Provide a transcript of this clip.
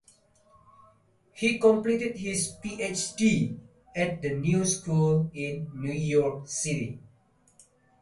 He completed his PhD at The New School in New York City.